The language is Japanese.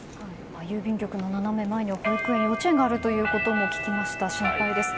郵便局の斜め前には保育園、幼稚園があるということも聞きましたから心配です。